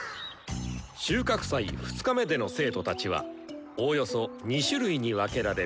収穫祭２日目での生徒たちはおおよそ２種類に分けられる。